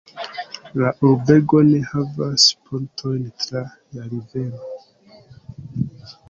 La urbego ne havas pontojn tra la rivero.